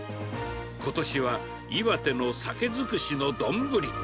ことしは岩手のサケ尽くしの丼。